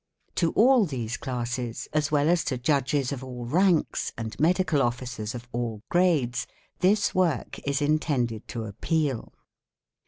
To all these classes, as well as to judges of all ranks and _ medical officers of all grades, this work is intended to appeal.